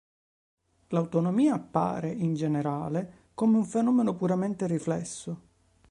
L'autotomìa appare, in generale, come un fenomeno puramente riflesso.